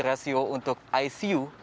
ratio untuk icu